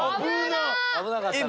危なかったな。